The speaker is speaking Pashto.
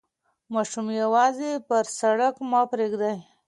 ماشومان یوازې پر سړک مه پریږدئ.